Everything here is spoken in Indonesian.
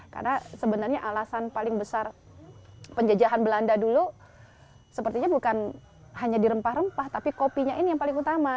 karena sebenarnya alasan paling besar penjajahan belanda dulu sepertinya bukan hanya di rempah rempah tapi kopinya ini yang paling utama